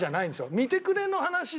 見てくれの話で。